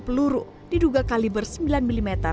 peluru diduga kaliber sembilan mm